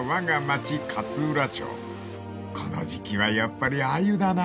［この時季はやっぱりアユだな］